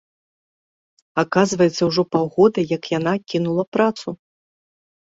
Аказваецца, ужо паўгода, як яна кінула працу!